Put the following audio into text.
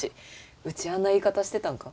ウチあんな言い方してたんか？